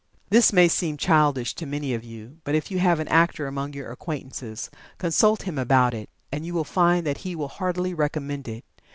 This may seem childish to many of you, but if you have an actor among your acquaintances, consult him about it, and you will find that he will heartily recommend it.